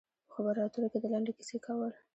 په خبرو اترو کې د لنډې کیسې کول.